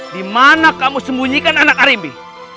dimana kamu sembunyikan anak arimbi